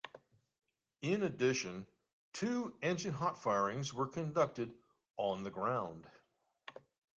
In addition, two engine hot firings were conducted on the ground.